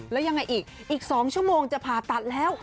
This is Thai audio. แล้วยังไงอีกอีก๒ชั่วโมงจะผ่าตัดแล้ว